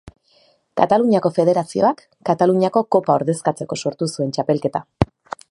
Kataluniako Federazioak Kataluniako Kopa ordezkatzeko sortu zuen txapelketa.